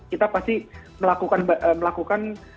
kita pasti melakukan